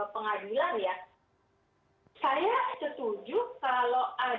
nah mau bilang birgit juga kalau ada ditutupkan soal pengadilan